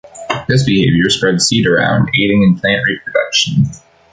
This behaviour spreads seed around, aiding in plant reproduction.